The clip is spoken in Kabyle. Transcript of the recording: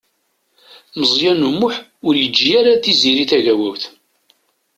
Meẓyan U Muḥ ur yeǧǧi ara Tiziri Tagawawt.